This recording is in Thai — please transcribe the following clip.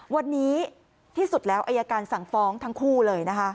วันนี้ที่สุดแล้วอายการสั่งฟ้องทั้งคู่เลยนะคะ